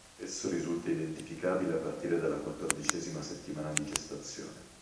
Esso risulta identificabile a partire dalla quattordicesima settimana di gestazione.